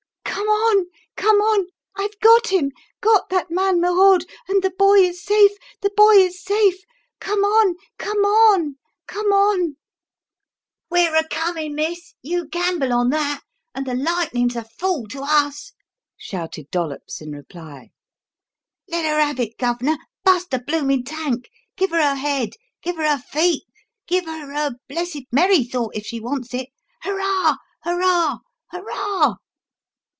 "Come on, come on! I've got him got that man Merode, and the boy is safe, the boy is safe! Come on! come on! come on!" "We're a comin', miss, you gamble on that and the lightnin's a fool to us!" shouted Dollops in reply. "Let her have it, Gov'nor! Bust the bloomin' tank. Give her her head; give her her feet; give her her blessed merry thought if she wants it! Hurrah! hurrah! hurrah!"